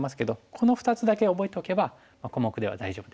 この２つだけ覚えておけば小目では大丈夫ですね。